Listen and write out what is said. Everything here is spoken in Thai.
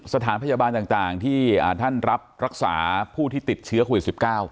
สถานพยาบาลต่างที่ท่านรับรักษาผู้ที่ติดเชื้อโควิด๑๙